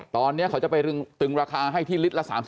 ตอนนี้เขาจะไปตึงราคาให้ที่ลิตรละ๓๐